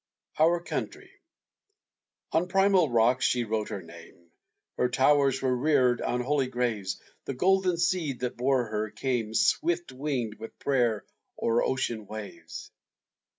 OUR COUNTRY On primal rocks she wrote her name; Her towers were reared on holy graves; The golden seed that bore her came Swift winged with prayer o'er ocean waves.